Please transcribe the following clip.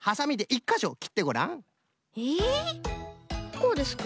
こうですか？